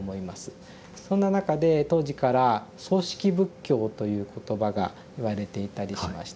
そんな中で当時から「葬式仏教」という言葉が言われていたりしました。